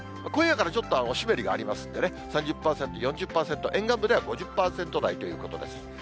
今夜からちょっとお湿りがありますんでね、３０％、４０％、沿岸部では５０％台ということです。